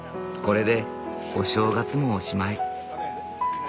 これでお正月もおしまい。